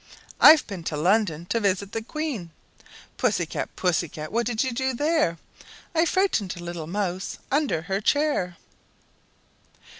"I've been to London, to visit the Queen." "Pussy cat, Pussy cat, what did you there?" "I frightened a little mouse under her chair!"